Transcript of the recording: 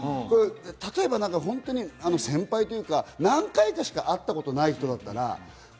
例えば本当に先輩というか、何回かしか会ったことがない人だったら「！」